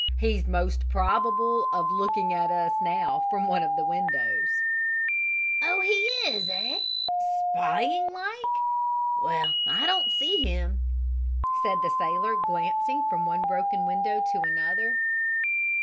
"He's most probable of looking at us now from one of the windows." "Oh, he is, eh? Spying like! Well, I don't see him!" said the sailor glancing from one broken window to another.